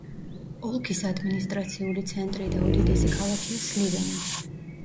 ოლქის ადმინისტრაციული ცენტრი და უდიდესი ქალაქია სლივენი.